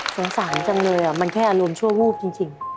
สงสารจังเลยอ่ะมันแค่อารมณ์ชั่วรูปจริงจริง